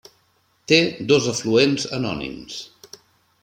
Té dos afluents anònims.